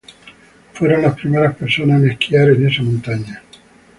Fueron las primeras personas en esquiar en esa montaña.